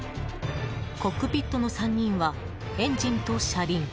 コックピットの３人はエンジンと車輪